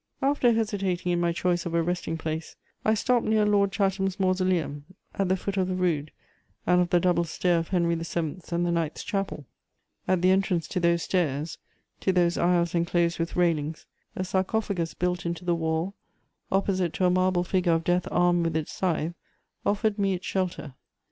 After hesitating in my choice of a resting place I stopped near Lord Chatham's mausoleum, at the foot of the rood and of the double stair of Henry the Seventh's and the Knights' Chapel. At the entrance to those stairs, to those aisles enclosed with railings, a sarcophagus built into the wall, opposite to a marble figure of death armed with its scythe, offered me its shelter.